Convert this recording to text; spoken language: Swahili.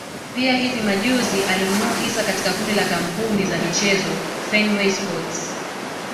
Pia hivi majuzi alinunua hisa katika kundi la kampuni za michezo Fenway sports